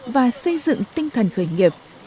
và xây dựng tinh thần khởi nghiệp